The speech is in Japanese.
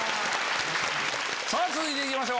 さぁ続いて行きましょう。